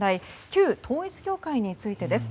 旧統一教会についてです。